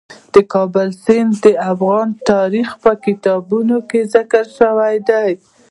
د کابل سیند د افغان تاریخ په کتابونو کې ذکر شوی دي.